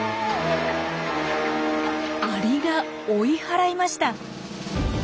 アリが追い払いました！